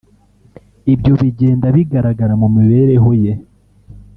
Ibyo bigenda bigaragara mu mibereho ye